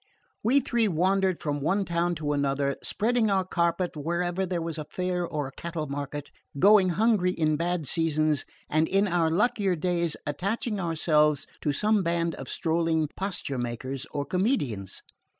We three wandered from one town to another, spreading our carpet wherever there was a fair or a cattle market, going hungry in bad seasons, and in our luckier days attaching ourselves to some band of strolling posture makers or comedians.